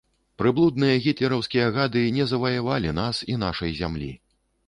Прыблудныя гітлераўскія гады не заваявалі нас і нашай зямлі.